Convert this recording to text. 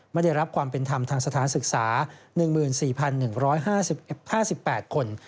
ไม่ได้รับความเป็นธรรมทางสถานศึกษา๑๔๑๕๘คน